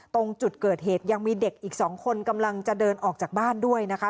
ตรงจุดเกิดเหตุยังมีเด็กอีกสองคนกำลังจะเดินออกจากบ้านด้วยนะคะ